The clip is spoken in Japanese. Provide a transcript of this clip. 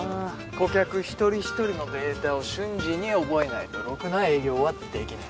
顧客一人一人のデータを瞬時に覚えないとろくな営業はできない。